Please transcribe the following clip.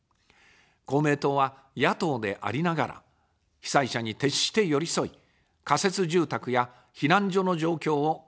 公明党は野党でありながら、被災者に徹して寄り添い、仮設住宅や避難所の状況を改善。